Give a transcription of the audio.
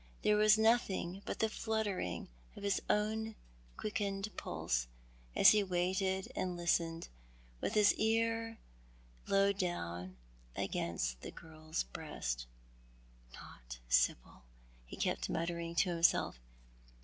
There was nothing but the fluttering of his own quickened pulse as he waited and listened, with his ear low down against the girl's breast. " Not Sibyl," he kept muttering to himself.